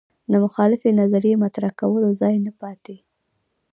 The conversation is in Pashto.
د مخالفې نظریې مطرح کولو ځای نه پاتې